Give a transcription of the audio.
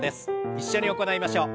一緒に行いましょう。